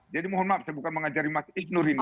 jadi mohon maaf saya bukan mengajari mas ishnur ini